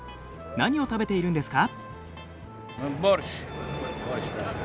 何を食べているんですか？